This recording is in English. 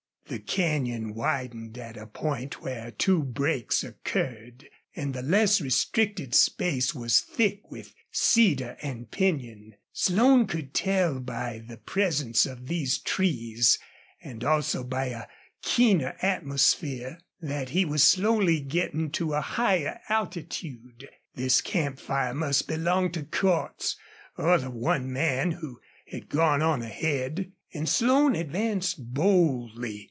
The canyon widened at a point where two breaks occurred, and the less restricted space was thick with cedar and pinyon. Slone could tell by the presence of these trees and also by a keener atmosphere that he was slowly getting to a higher attitude. This camp fire must belong to Cordts or the one man who had gone on ahead. And Slone advanced boldly.